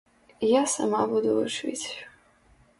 Я сама буду вучыць.